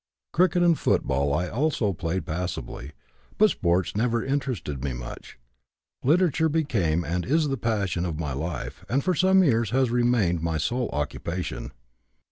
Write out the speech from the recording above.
Cricket and football I also played passably, but sports never interested me much. Literature became and is the passion of my life and for some years has remained my sole occupation.